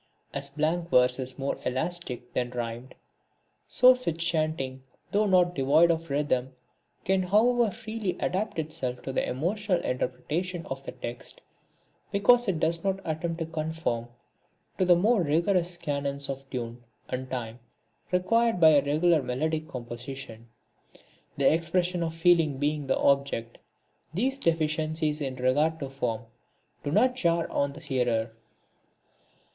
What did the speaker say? As blank verse is more elastic than rhymed, so such chanting, though not devoid of rhythm, can more freely adapt itself to the emotional interpretation of the text, because it does not attempt to conform to the more rigorous canons of tune and time required by a regular melodic composition. The expression of feeling being the object, these deficiencies in regard to form do not jar on the hearer.